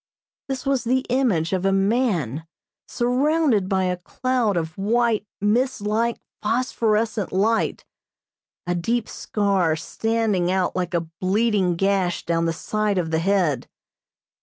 This was the image of a man surrounded by a cloud of white, mist like phosphorescent light, a deep scar standing out like a bleeding gash down the side of the head.